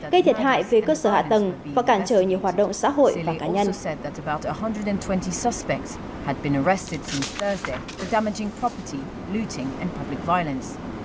gây thiệt hại về cơ sở hạ tầng và cản trở nhiều hoạt động xã hội và cá nhân